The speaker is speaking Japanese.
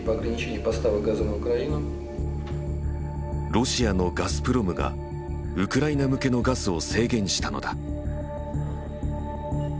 ロシアのガスプロムがウクライナ向けのガスを制限したのだ。